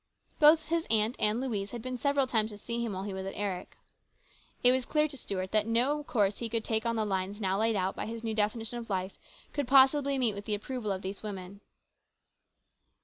Both his aunt and Louise had been several times to see him while he was at Eric's. It was clear to Stuart that no course he could take on the lines now laid out by his new definition of life could possibly meet with the approval of these women.